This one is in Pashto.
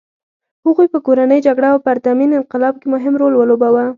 هغوی په کورنۍ جګړه او پرتمین انقلاب کې مهم رول ولوباوه.